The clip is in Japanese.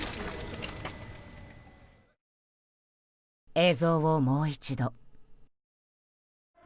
映像をもう一度。